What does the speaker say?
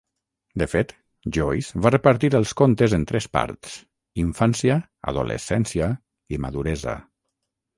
De fet, Joyce va repartir els contes en tres parts: infància, adolescència i maduresa.